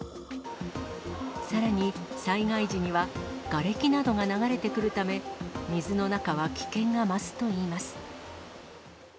さらに、災害時にはがれきなどが流れてくるため、水の中は危険が増すといいます。